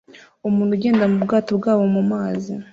Umuntu ugenda mu bwato bwabo mumazi